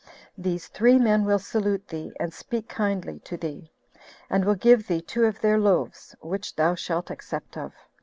These three men will salute thee, and speak kindly to thee, and will give thee two of their loaves, which thou shalt accept of.